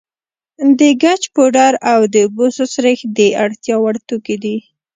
د ګچ پوډر او د بوسو سريښ د اړتیا وړ توکي دي.